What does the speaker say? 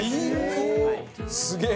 すげえ！